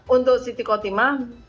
untuk siti kotimah